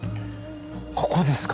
ここですか。